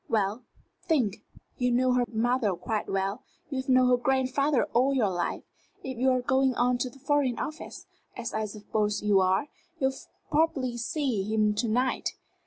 "Well, think. You knew her mother quite well. You have known her grandfather all your life. If you're going on to the Foreign Office, as I suppose you are, you'll probably see him to night.